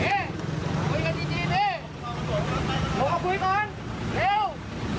เฮ้ยคุยกันดีนี่ลองกับคุยก่อนเร็ว